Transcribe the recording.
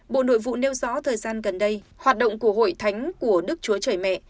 bộ nội vụ nêu rõ thời gian gần đây hoạt động của hội thánh của đức chúa trời mẹ